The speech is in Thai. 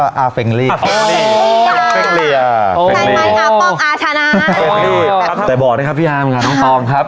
ใช่ไหมครับป้องอาชานะแต่บอกได้ครับพี่อามครับอองครับ